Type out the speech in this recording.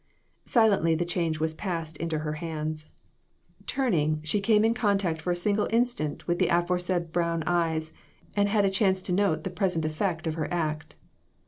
Silently the change was passed into her hands. CROSS LOTS. 207 Turning, she came in contact, for a single instant, with the aforesaid brown eyes, and had a chance to note the present effect of her act.